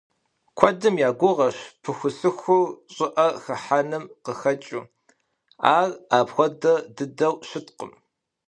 Куэдым я гугъэщ пыхусыхур щӀыӀэ хыхьэным къыхэкӀыу, ар апхуэдэ дыдэу щыткъым.